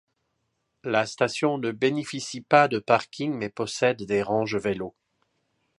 La station ne bénéficie pas de parking mais possède des range-vélos.